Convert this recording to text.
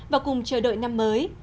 và cùng chờ đợi năm mới